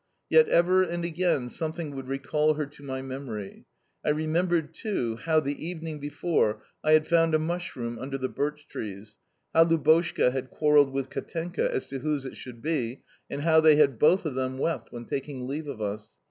Yet ever and again something would recall her to my memory. I remembered too how, the evening before, I had found a mushroom under the birch trees, how Lubotshka had quarrelled with Katenka as to whose it should be, and how they had both of them wept when taking leave of us.